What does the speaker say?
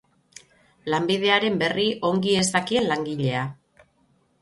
Lanbidearen berri ongi ez dakien langilea.